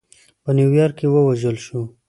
په نیویارک کې ووژل شو.